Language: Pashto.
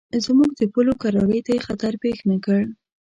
زموږ د پولو کرارۍ ته یې خطر پېښ نه کړ.